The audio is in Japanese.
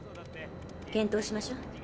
検討しましょう。